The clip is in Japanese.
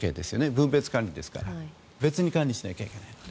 分別管理ですから別に管理しなきゃいけないので。